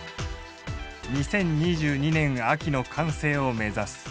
２０２２年秋の完成をめざす。